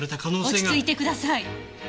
落ち着いてください。